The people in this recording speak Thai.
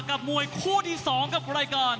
กับมวยคู่ที่๒กับรายการ